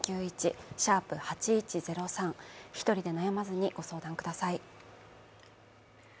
１人で悩まずにご相談ください。